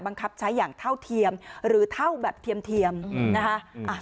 บังคับใช้อย่างเท่าเทียมหรือเท่าแบบเทียมนะคะ